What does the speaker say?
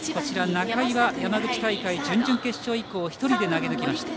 仲井は山口大会準々決勝以降１人で投げ抜きました。